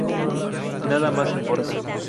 Nada más importa.